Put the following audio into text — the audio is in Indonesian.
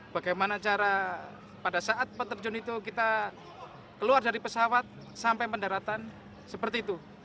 bagaimana cara pada saat peterjun itu kita keluar dari pesawat sampai pendaratan seperti itu